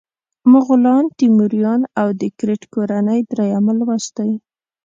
مغولان، تیموریان او د کرت کورنۍ دریم لوست دی.